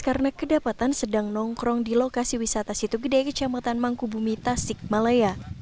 karena kedapatan sedang nongkrong di lokasi wisata situ gede kecamatan mangkubumi tasikmalaya